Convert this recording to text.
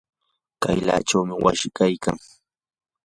kaylachawmi wasi kaykan.